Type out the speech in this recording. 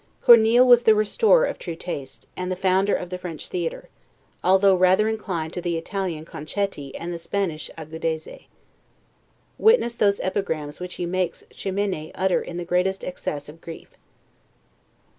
Corneille was the restorer of true taste, and the founder of the French theatre; although rather inclined to the Italian 'Concetti' and the Spanish 'Agudeze'. Witness those epigrams which he makes Chimene utter in the greatest excess of grief.